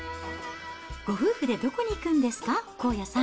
ご夫婦でどこに行くんですか？